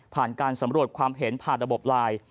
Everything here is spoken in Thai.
การสำรวจความเห็นผ่านระบบไลน์